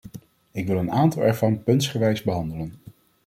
Ik wil een aantal ervan puntsgewijs behandelen.